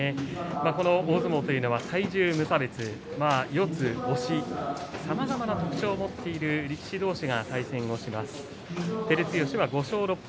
大相撲は体重無差別で四つ、押しさまざまな特徴を持っている力士どうしが対戦をします。